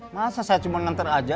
masa saya cuma ngantar aja